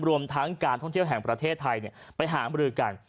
รวมทั้งการท่องเที่ยวแห่งประเทศไทยไปหามรือกัน